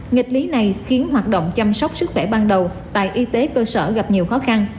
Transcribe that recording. nghịch lý này khiến hoạt động chăm sóc sức khỏe ban đầu tại y tế cơ sở gặp nhiều khó khăn